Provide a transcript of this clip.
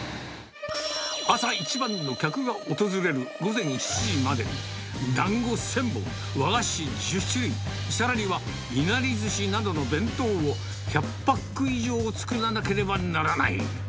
朝一番の客が訪れる午前７時までに、だんご１０００本、和菓子１０種類、さらにはいなりずしなどの弁当を１００パック以上作らなければならない。